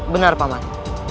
benar pak man